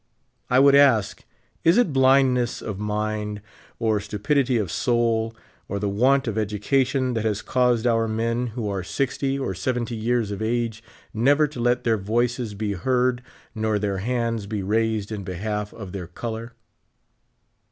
I would ask, is it blindness of mind or stupidity of soul or the want of education that has caused our men who are sixty or seventy years of age never to let their voices be heard nor their hands be raised in behalf of their color